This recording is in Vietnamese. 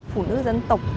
phụ nữ dân tộc thiểu số